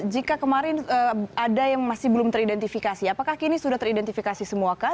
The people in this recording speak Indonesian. jika kemarin ada yang masih belum teridentifikasi apakah kini sudah teridentifikasi semua kah